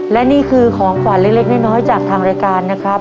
และนี่คือของขวัญเล็กน้อยจากทางรายการนะครับ